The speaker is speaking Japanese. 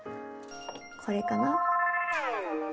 これかな？